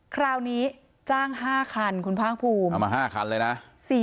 คราวนี้จ้าง๕คันคุณพ่างภูมิเอามา๕คันเลยนะ๔๒๐๐๐บาท